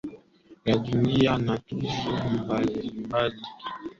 La dunia na tuzo mbalimbali za mashirikisho mbalimbali ya michezo